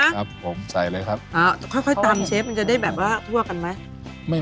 ค่อยตำเชฟจะได้ถั่วกันไหม